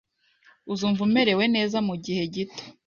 Uzumva umerewe neza mugihe gito.